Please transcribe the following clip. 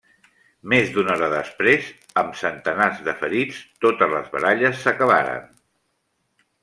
Més d'una hora després, amb centenars de ferits, totes les baralles s'acabaren.